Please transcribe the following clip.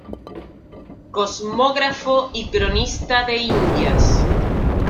Cosmógrafo y cronista de Indias.